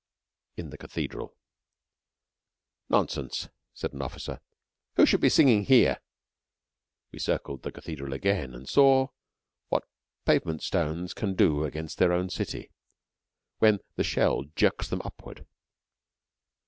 IN THE CATHEDRAL "Nonsense," said an officer. "Who should be singing here?" We circled the cathedral again, and saw what pavement stones can do against their own city, when the shell jerks them upward.